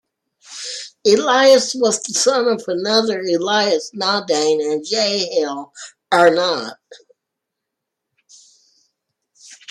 Elias was the son of another Elias Naudain and Jahel Arnaud.